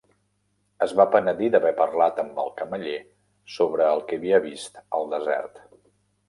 Es va penedir d'haver parlat amb el cameller sobre el que havia vist al desert.